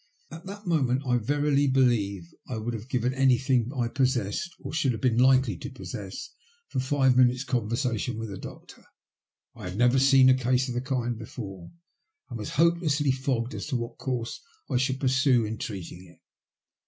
At that moment I verily believe I would have given anything I possessed, or should have been likely to possess, for five minutes' conversation with a doctor. I had never seen a case of the kind before, and was hopelessly fogged as to what course I should pursue in treating it.